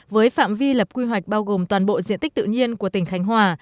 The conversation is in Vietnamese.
với phạm vi lập quy hoạch bao gồm toàn bộ diện tích tự nhiên của tỉnh khánh hòa